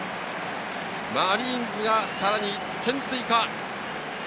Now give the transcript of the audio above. マリーンズがさらに１点追加！